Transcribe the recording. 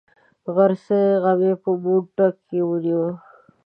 غرڅنۍ غمی په موټي کې ونیوه.